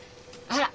あら？